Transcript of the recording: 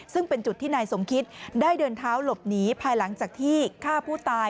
ซึ่งเป็นจุดที่นายสมคิตได้เดินเท้าหลบหนีภายหลังจากที่ฆ่าผู้ตาย